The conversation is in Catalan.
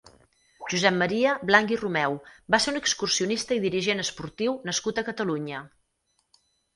Josep Maria Blanc i Romeu va ser un excursionista i dirigent esportiu nascut a Catalunya.